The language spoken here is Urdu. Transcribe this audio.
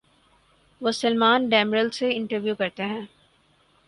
وہ سلمان ڈیمرل سے انٹرویو کرتے ہیں۔